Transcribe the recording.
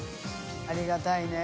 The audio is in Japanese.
ありがたいね。